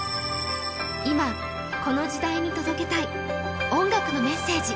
今、この時代に届けたい音楽のメッセージ。